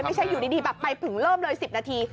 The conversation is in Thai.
ไม่ใช่อยู่ดีแบบไปถึงเริ่มเลย๑๐นาที